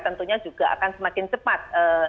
dan tentunya juga akan semakin cepat